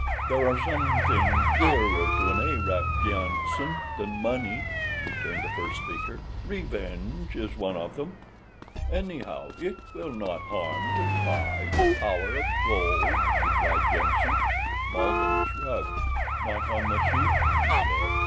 "There are some things dearer to an Arab, Jenssen, than money," returned the first speaker—"revenge is one of them." "Anyhow it will not harm to try the power of gold," replied Jenssen. Malbihn shrugged. "Not on The Sheik," he said.